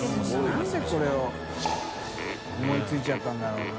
覆鵑これを思いついちゃったんだろうな？